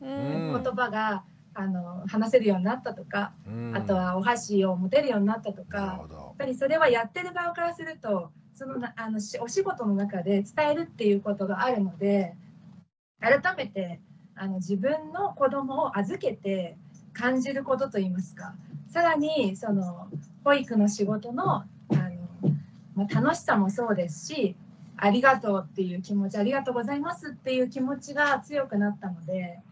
言葉が話せるようになったとかあとはお箸を持てるようになったとかやっぱりそれはやってる側からするとお仕事の中で伝えるっていうことがあるので改めて自分の子どもを預けて感じることといいますか更に保育の仕事の楽しさもそうですしありがとうっていう気持ちありがとうございますっていう気持ちが強くなったので。